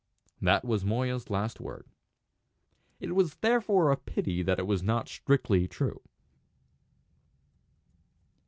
That was Moya's last word. It is therefore a pity that it was not strictly true.